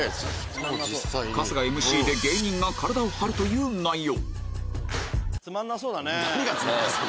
春日ＭＣで芸人が体を張るという内容